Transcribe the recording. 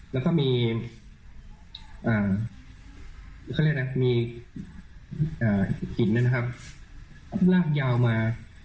และมีหินได้นะครับราบยาวมา